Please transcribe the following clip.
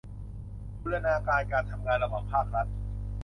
บูรณาการการทำงานระหว่างภาครัฐ